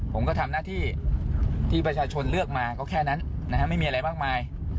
ผมก็ทำหน้าที่ที่ประชาชนเลือกมาก็แค่นั้นไม่มีอะไรมากมาย